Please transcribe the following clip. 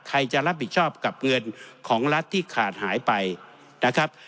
ใครจะรับผิดชอบกับเงินของรัฐที่ขาดหายไปนะครับ